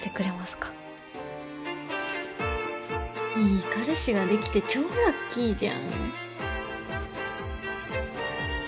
いい彼氏ができて超ラッキーじゃん。